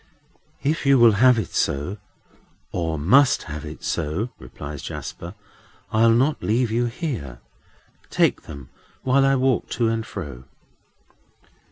"If you will have it so, or must have it so," replies Jasper, "I'll not leave you here. Take them, while I walk to and fro."